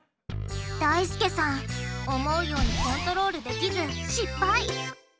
だいすけさん思うようにコントロールできず失敗！